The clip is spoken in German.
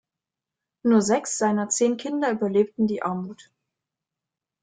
Nur sechs seiner zehn Kinder überlebten die Armut.